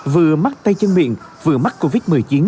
vừa mắc tay chân miệng vừa mắc covid một mươi chín